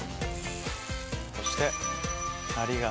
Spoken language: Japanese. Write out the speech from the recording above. そして。